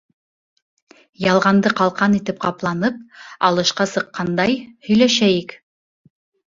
Ялғанды ҡалҡан итеп ҡапланып, алышҡа сыҡҡандай, һөйләшәйек.